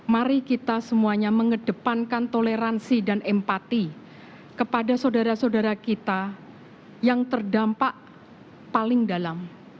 mari kita semuanya mengedepankan toleransi dan empati kepada saudara saudara kita yang terdampak paling dalam